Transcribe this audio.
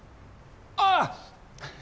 ああ！